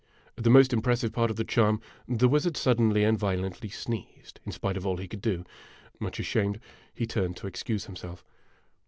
At the most impressive part of the charm, the wizard suddenly and violently sneezed, in spite of all he could do. Much ashamed, he turned to excuse himself.